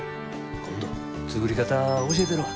今度作り方教えたるわ。